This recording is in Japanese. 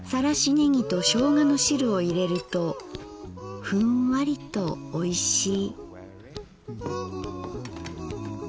ねぎとしょうがの汁をいれるとフンワリとおいしい」。